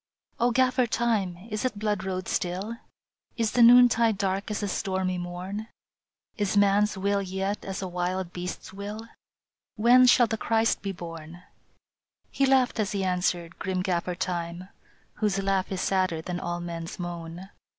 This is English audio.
O Gaffer Time, is it blood road still? Is the noontide dark as the stormy morn? Is man s will yet as a wild beast s will? When shall the Christ be born? " He laughed as he answered, grim Gaffer Time, Whose laugh is sadder than all men s moan.